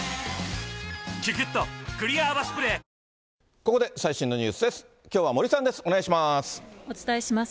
ここで最新のニュースです。